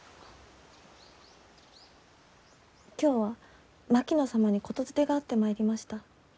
今日は槙野様に言伝があって参りました。